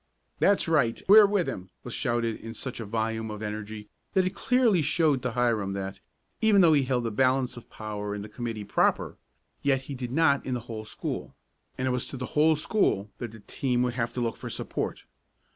"That's right we're with him," was shouted in such a volume of energy that it clearly showed to Hiram that, even though he held the balance of power in the committee proper, yet he did not in the whole school, and it was to the whole school that the team would have to look for support.